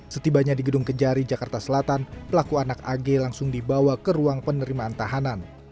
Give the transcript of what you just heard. setibanya di gedung kejari jakarta selatan pelaku anak ag langsung dibawa ke ruang penerimaan tahanan